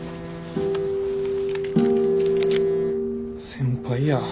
先輩や。